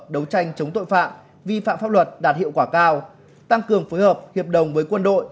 đấu tranh chống tội phạm vi phạm pháp luật đạt hiệu quả cao tăng cường phối hợp hiệp đồng với quân đội